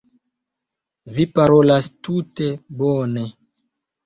Vi parolas tute bone.